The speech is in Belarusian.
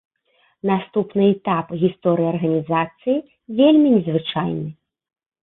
Наступны этап гісторыі арганізацыі вельмі не звычайны.